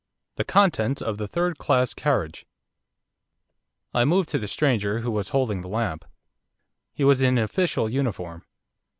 THE CONTENTS OF THE THIRD CLASS CARRIAGE I moved to the stranger who was holding the lamp. He was in official uniform.